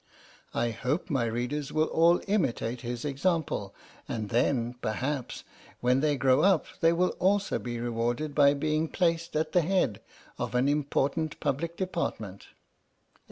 I hope my readers will all imitate his example, and then, perhaps, when they grow up they will also be rewarded by being placed at the head of an important Public Department.